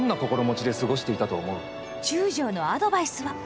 中将のアドバイスは。